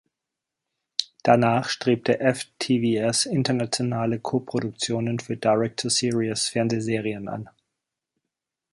Danach strebte FtvS internationale Koproduktionen für Direct-to-Series-Fernsehserien an.